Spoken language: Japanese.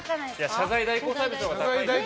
謝罪代行サービスの方が。